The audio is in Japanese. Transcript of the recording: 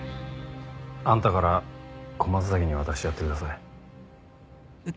あんたから小松崎に渡してやってください。